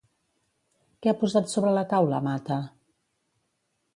Què ha posat sobre la taula Mata?